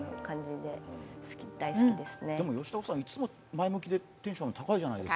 でも吉高さん、いつも前向きでテンション高いじゃないですか。